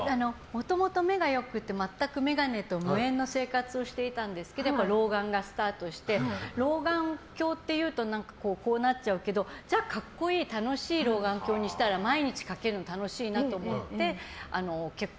もともと目が良くて全く眼鏡と無縁の生活をしていたんですけど老眼がスタートして老眼鏡っていうと何かこうなっちゃうけどじゃあ格好いい、楽しい老眼鏡にしたら毎日かけるの楽しいなと思って結構。